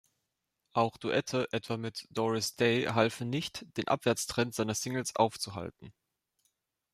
Auch Duette etwa mit Doris Day halfen nicht, den Abwärtstrend seiner Singles aufzuhalten.